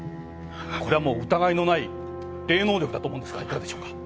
これはもう疑いのない霊能力だと思うんですがいかがでしょうか？